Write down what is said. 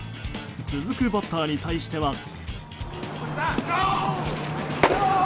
続くバッターに対しては。